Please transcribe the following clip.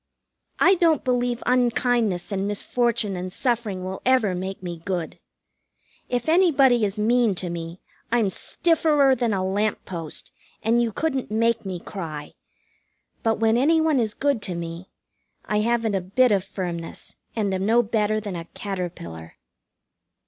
I don't believe unkindness and misfortune and suffering will ever make me good. If anybody is mean to me, I'm stifferer than a lamp post, and you couldn't make me cry. But when any one is good to me, I haven't a bit of firmness, and am no better than a caterpillar.